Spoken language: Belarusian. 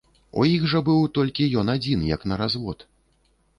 У іх жа быў толькі ён адзін як на развод.